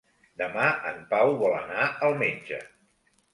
Demà en Pau vol anar al metge.